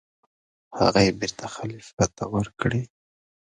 هغه یې بېرته خلیفه ته ورکړې.